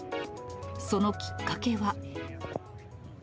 そのきっかけは。